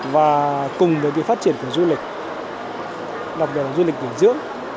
và cùng với phát triển của du lịch đặc biệt là du lịch nghỉ dưỡng